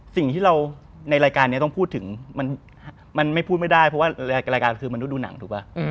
สิ่งที่เราในรายการนี้ต้องพูดถึงมันไม่พูดไม่ได้เพราะว่ารายการคือมันฤดูหนังถูกป่ะ